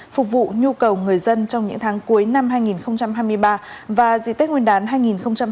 phục vụ nhu cầu người dân trong những tháng cuối năm hai nghìn hai mươi ba và dịp tết nguyên đán hai nghìn hai mươi bốn